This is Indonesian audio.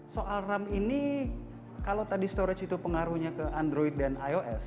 soal ram ini kalau tadi storage itu pengaruhnya ke android dan ios